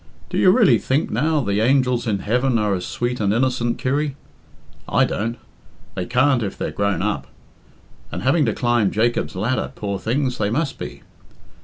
Do you really think, now, the angels in heaven are as sweet and innocent, Kirry? I don't. They can't if they're grown up. And having to climb Jacob's ladder, poor things, they must be.